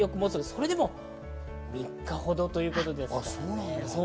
それでも３日ほどということです。